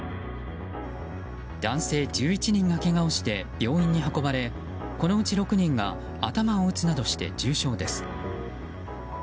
男性１１人がけがをして病院に運ばれこのうち６人が頭を打つなどして重傷です。